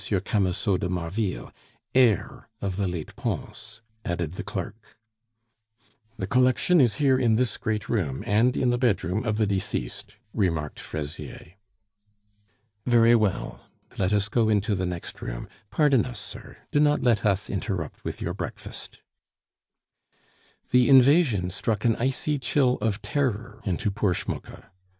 Camusot de Marville, heir of the late Pons " added the clerk. "The collection is here in this great room, and in the bedroom of the deceased," remarked Fraisier. "Very well, let us go into the next room. Pardon us, sir; do not let us interrupt with your breakfast." The invasion struck an icy chill of terror into poor Schmucke.